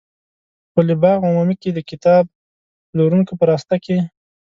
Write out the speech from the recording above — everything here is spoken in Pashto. په پل باغ عمومي کې د کتاب پلورونکو په راسته کې.